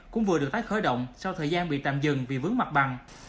cũng vừa được tái khởi động sau thời gian bị tạm dừng vì vướng mặt bằng